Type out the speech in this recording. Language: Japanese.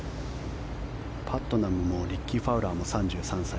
パットナムもリッキー・ファウラーも３３歳。